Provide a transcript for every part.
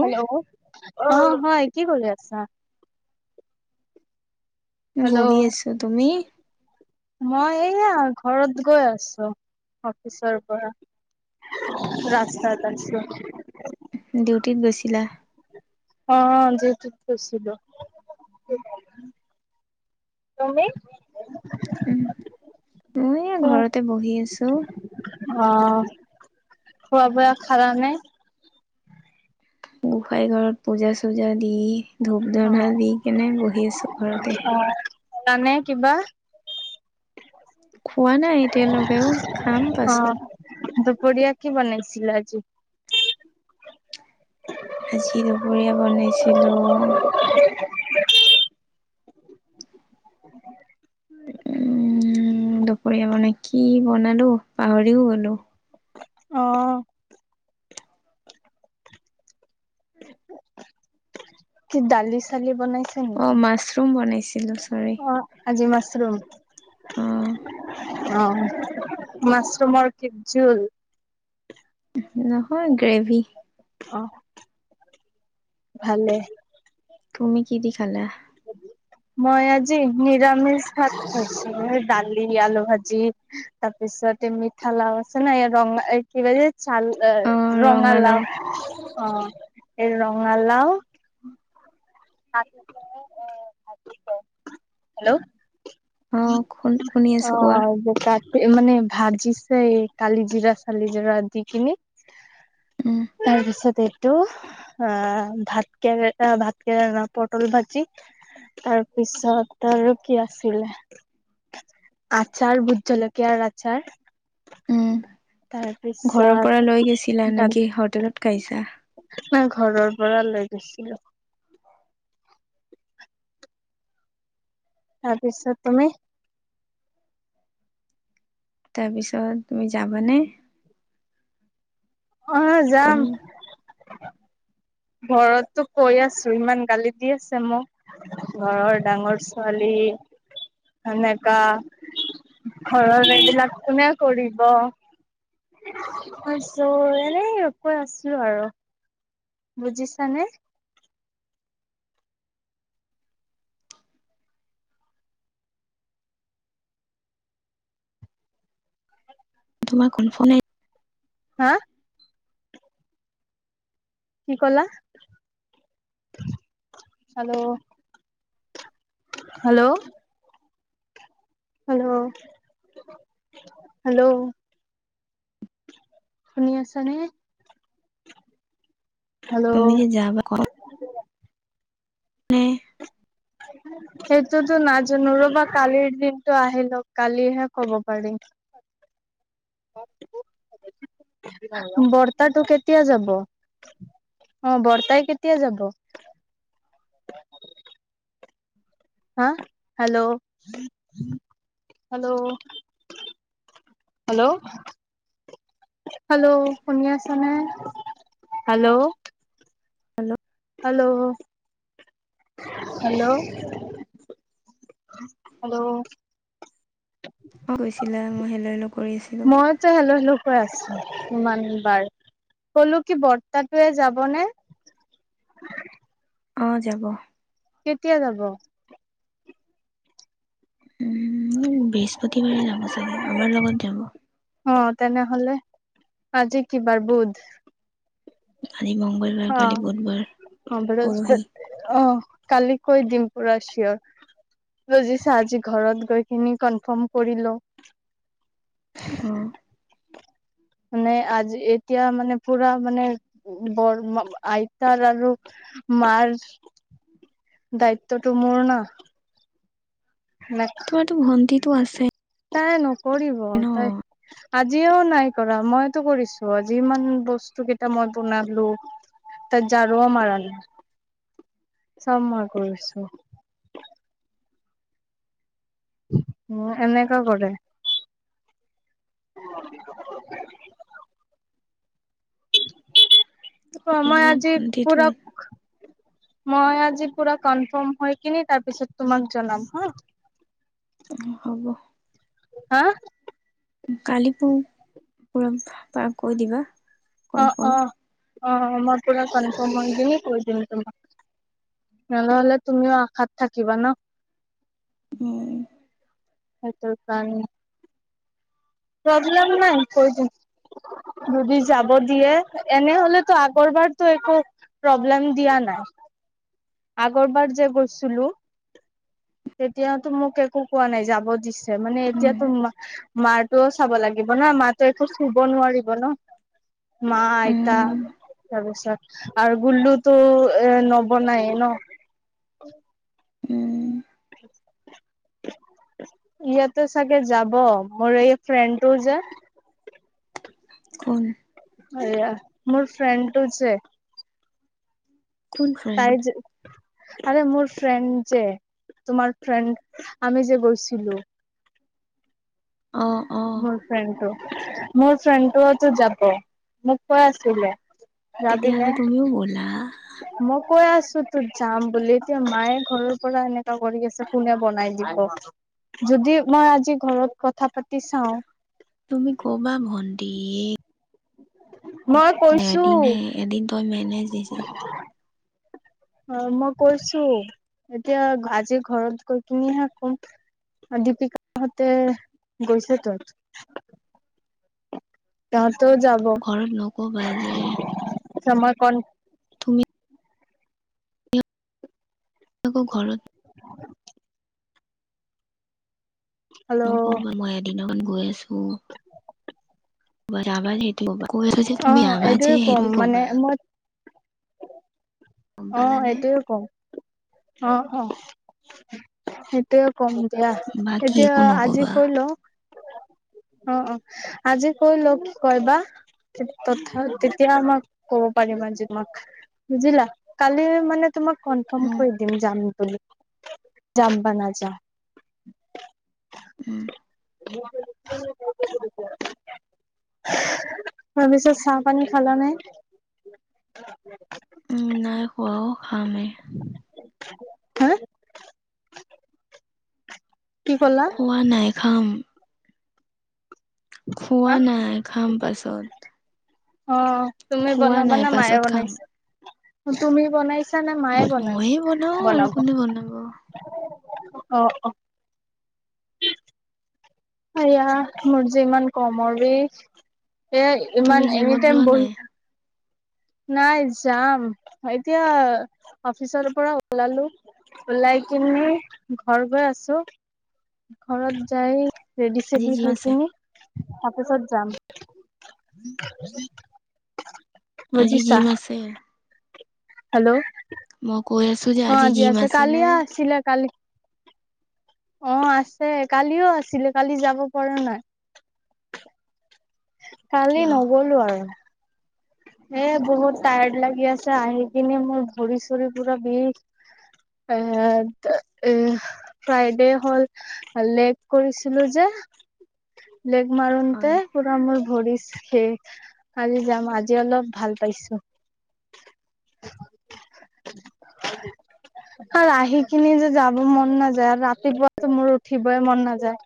Hello অ', হয়, কি কৰি আছা? বহি আছো, তুমি? মই এয়া ঘৰত গৈ আছো অফিচৰ পৰা। ৰাস্তা এটা আছে। ডিউটিত গৈছিলা? অ যেতছিলো। তুমি। উম মই ঘৰতে বহি আছো। অ', খোৱা বোৱা খালা নে? গোঁসাই ঘৰত পূজা চূজা দি ধূপ অ ধনা দি কিনে বহি আছো ঘৰতে। জানে কিবা? খোৱা নাই এতিয়ালৈকে, খাম পাছত। পৰীয়া কি বনাইছিল আজি? আজি দুপৰীয়া বনাইছিলো কি [inaudible] উম, দুপৰীয়া মানে কি বনালো পাহৰিও গ'লো। আহ কি ডালি চালি বনাইছে অ', নেকি? মাছৰুম বনাইছিলো চৰি অ আজি মাছৰুম। অ অ', মাছৰুমৰ কে জুল নহয় গ্ৰেভি অ', ভালে তুমি কি দিখালা? [unintelligible] মই আজি নিৰামিষ ভাত খাইছো দালি আলু ভাজি তাৰপিছত তাৰিছতে মিঠা লাও আছে ন ৰং কি চাল অ ৰঙালা ৰঙালাও অ', এই ৰঙালাওঁ। [unintelligible] হেল্ল'। অ শুনি আছো কোৱা অ', ব মানে ভাজিছে কালি জিৰা চালি জিৰা দি কিনি। উম তাৰপিছত এইটো অ', ভাত কেৰে ভাত পটল ভাজি তাৰ পিছত। ত আৰু কি আছিলে আচাৰ ভুত জলকীয়াৰ আচাৰ উম ঘৰৰ পৰা তাৰপিছত লৈ গৈছিলা ত নেকি হোটেলত খাইছা ঘৰৰ পৰা লৈ গছিলো তাৰপিছত তুমি তাৰপিছত তুমি যাবানে? অ', যাম ঘৰতটো কৈ আছো ইমান গালি দি আছে মোক ঘৰৰ ডাঙৰ ছোৱালী সনেকা ঘৰৰ এইবিলাক কোনে কৰিব। চো এনেই কৈ আছিলো আৰু। বুজিছা নে। তোমাৰ কোন ফোন আহ হা কি কলা, হেল্ল', হেল্ল', হেল্ল, ' হেল্ল' শুনি আছ নে তুমি। [unintelligible] মে সেইটোতো নাজানো ৰ'বা কালিৰ দিনটো আহি লওঁক কালিহে ক'ব পাৰিম। [inaudible] বৰ্তাটোটো কেতিয়া যাব অ বৰ্তাই কেতিয়া যাব হা, হেল্ল' হেল্ল', হেল্ল' হেল্ল' শুনি আছ নে hello, hello. Hello, ' hello hello, অ গৈছিলা। [unintelligible] মইতে হেল্ল, হেল্ল, আছো ইমান বাৰ কলো কি বৰ্তাতয়ে যাব নে [unintelligible] অহ, যাব। কেতিয়া যাব। উম, বৃহস্পতিবাৰে যাব চাগে, আমাৰ লগত যাব। অ তেনেহলে, আজি কি বাৰ বুধ। আজি মংগলবাৰ অ, কালি বুধবাৰ অহ, পৰহি বৃহস্পতি অ, কালি। কৈ দিম, পুৰা চিঞৰ। বুজিছা আজি ঘৰত গৈকিনি কনফাৰ্ম কৰি লও। অহ', মানে আজি এতিয়া মানে, পুৰা মানে বৰ আইতাৰ আৰু। মাৰ, দায়িত্বটো মোৰ না। সেনেকা তোমাৰটো ভণ্টিটো আছে। তাই নকৰিব ন তাই। আজিও নাই কৰা মইতো কৰিছো, আজি ইমান বস্তু কেইটা মই বনালো। তাই ঝাৰুও মাৰা নাই। চব মই কৰিছো। উম, এনেকা কৰে। [unintelligible] মই তোমাৰ আজি ভন্টিটো পুৰা। মই আজি পুৰা কনফাৰ্ম হৈ কিনি তাৰপিছত, তোমাক জনাম হা। হ'ব। হা। কালি পু -পুৰা পা কৈ দিবা। কনফাৰ্ম অ-অ-অ, মই পুৰা কনফম হৈ কিনি কৈ দিম তোমাক। নহ'লে তুমিও আশাত থাকিবা ন। হম, সেইটোৰ কাৰণ। প্ৰব্লেম নাই কৈ দিম। যদি যাব দিয়ে, এনেহলেতো আগৰ বাৰতো একো। প্ৰব্লেম দিয়া নাই, আগৰবাৰ যে গৈছিলো। তেতিয়াতো মোক একো কোৱা নাই যাব দিছে মানে, উম এতিয়াতো মাই। মাৰটোও চাব লাগিব ন, মাতো একো শুব নোৱাৰিব ন। মা আইতা উম তাৰপিছত আৰু গুল্লুতো এ নবনাই। ন। উম, [inaudible] ইয়াতে চাগে যাব মোৰ এই ফ্ৰেণ্ডটো যে। খোন। এয়া মোৰ ফ্ৰেণ্ডটো যে। কোন ফ্ৰেণ্ড তাই যে আৰে মোৰ ফ্ৰেণ্ড যে। তোমাৰ ফ্ৰেণ্ড আমি যে গৈছিলো। অ', অ', মোৰ ফ্ৰেণ্ডটো - মোৰ ফ্ৰেণ্ডটোতো যাব মোক কৈয় আছিলে। যাবিনে তেতিয়াহ'লে তুমিও ব'লা। মই কৈ আছো তোৰ যাম বুলি, এতিয়া মায়ে ঘৰৰ পৰা এনেকা কৰি আছে কোনে বনাই দিয়। যদি মই আজি ঘৰত কথা পাতি চাও। তুমি ক'বা ভণ্টিক। মই কৈছো এদিন হে, এদিন ত মেনেজ দিছে। অহ, মই কৈছো এতিয়া, আজি ঘৰত গৈ কিনিহে কম। দীপিকাহতে গৈছে ত। তাহতেও যাব ঘৰত নক'বা যে কমা কন তুমি আকৌ ঘৰত। ন হেল্ল' ক মই এদি ন গৈছো বাৰ আবাৰ হেইটো কৈ আছ যে অ তুমি আহবা যে এইটোয়ে কম হেৰুই মানে কবা মই গম অ পালানে? এইটয়ে কম অ -অ সেইটোৱে কম এতিয়া বাকী এতিয়া একো আজি নক'বা কল অ অ আজি ক ল কিবা তথা তেতিয়া আমাক কব পাৰিবাজিমাক বুজিলা কালি মানে তোমাক কনফাৰ্ম উম, কৰি দিম যাম। যাম্বা না যাম উম, তাৰ পিছত চাহ পানী খালা নাই। নাাই খুৱোৱাও খামে হা। কি কলা খোৱা নাই খাম। খোৱা নাই খাম পাছত অ' তুমি খোৱা নাই বনাবাানে মায়ে পাছত খাম বনাইছে তুমি বনাইছা নে মায়ে ময়ে বনাও আৰু বনাব কোনে বনাব। অ -অ আয়া মোৰ যে ইমান কমৰ বিষ এ তুমি ইমান জিমত এনেটম যোৱা বহ নাই? থাক নাই যাম এতিয়া অফিচৰ পৰা ওলালো। ওলাই কিিনি ঘৰ গৈ আছো ঘৰত যাই ৰেডি আজি চেলি জিম হয় আছে, কিনি তাৰপাছত যাম আজি বুজিছা জিম আছে। হেল্ল' মই কৈ আছো যে অ আজি জিম আছে আছেনেে কালিয়া আছিলে কালি অ আছে কালিও আছিলে কালি যাব পৰা নাই কালি কিয় নগলো আৰু এ বহুত টায়াৰড লাগি আছে আহি কিনে মোৰ ভৰি চৰি পুৰা বিষ। এ এ ফ্ৰাইডে হল লেক কৰিছিলো যে লেগ মাৰণতে হয়। পৰা মোৰ ভৰি খে কজি যাম আজি জ অলপ ভাল পাইছো আৰু আহি কিনি যে যাব মন নাযায় আৰু ৰাতিপুৱাতো মোৰ উঠিবই মন নাযায়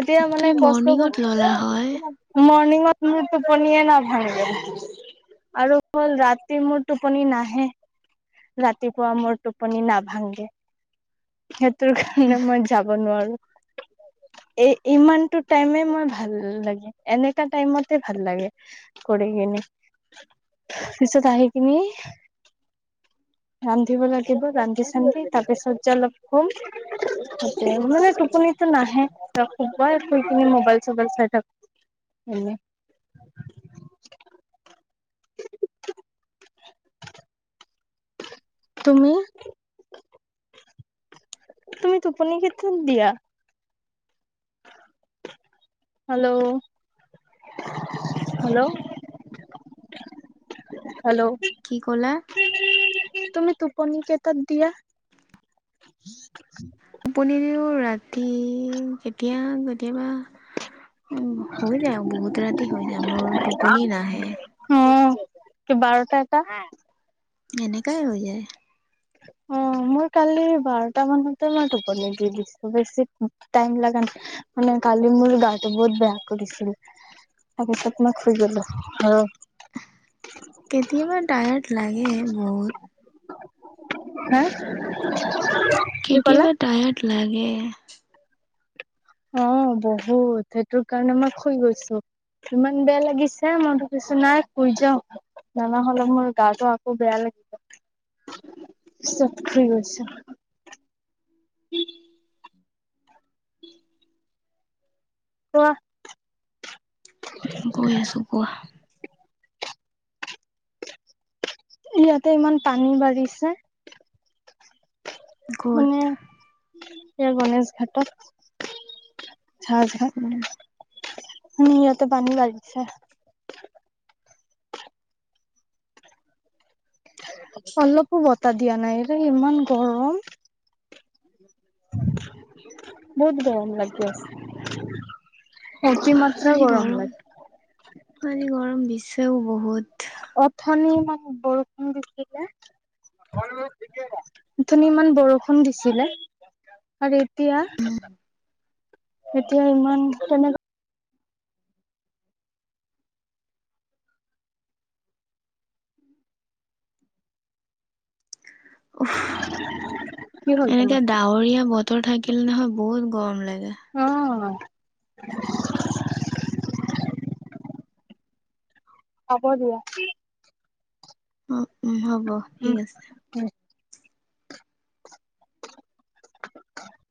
এতিয়া মানে তুমি কষ্ট মৰ্ণিঙত ললা হয়, মং টোপনিয়ে নাভাঙে আৰু হ'ল ৰাতি মোৰ টোপনি নাহে ৰাতিপুৱা মোৰ টোপনি নাভাংগে তোৰ কাৰণে মই যাব নোৱাৰো এ ইমানতটো টাইমে মই ভাল লাগে এনো টাইমতে ভাল লাগে কৰি। কি পছত আহ কি ন। ৰান্ধিব লাগিব ৰান্ধি চানি তাৰপিছত যে অলপ কম মানে টোপনিটো নাহে খুবাৰ তুমি মোবাইল চোবাইল চাই থাক উম তুমি তুমি টোপনি কেত দিয়া হেল্ল' হেল্ল' হেল্ল' কি ক'লে তুমি টোপনি কেইটাত দিয়া পন দিও ৰাতি কেতিয়া কেতিয়াবা উ হৈ যায় বহুত ৰাতি হৈ যায় মোৰ টোপনি নাহে কি বাৰটা এটা এনে কাই হৈ যায় অ মই কালি বাৰটা মানতে মই টোপনি দি দিছো বেছি টাইম লা ন মানে কালি মোৰ গাটো বহুত বেয়া কৰিছিল আগ ত তোমাক শু গলো অ কেতিয়াবা টায়াৰ্ড লাগে বহুত হা কি ক'লা কেতিয়াবা টায়াৰ্ড লাগে অ বহুত সেইটো কাৰণে মই শুই গৈছো ইমান বেয়া লাগিছে মনটো কৈছো নাই কুই যাও নানহলে মোৰ গাটো আকৌ বেয়া লাগিছে চঠি আছে উম কোৱা গৈ আছো কোৱা ইয়াতে ইমান পানী বাঢ়িছে ক'ত এইাৰ গণেশ ঘাটৰ ঝাজ উম, ঘাট সহতে পানী লাগিছে অলপো বতাহ দিয়া নাইৰে ইমান গৰম বহুত গৰম লাগি আছে অতি মাত্ৰা আজি গৰম লাগে আজি গৰম দিছেও বহুত অথনি মান বৰষুণ দি ধুনী ইমান বৰষুণ দিছিলে আৰু এতিয়া এতিয়া ইমান কেনেক উ কি হ'ল তোমাৰ? এনেকে ডাৱৰীয়া বতৰ থাকিলে নহয় বহুত কম লাগ [inaudible] হ'ব দিয়া উ উম হ'ব ঠিক উম, আছে উম। [inaudible]